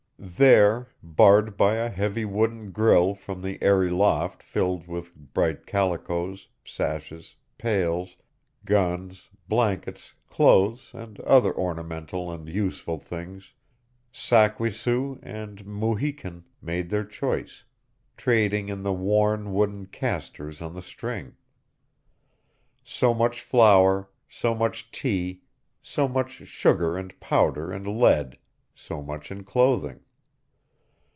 There, barred by a heavy wooden grill from the airy loft filled with bright calicoes, sashes, pails, guns, blankets, clothes, and other ornamental and useful things, Sak we su and Mu hi kun made their choice, trading in the worn wooden "castors" on the string. So much flour, so much tea, so much sugar and powder and lead, so much in clothing.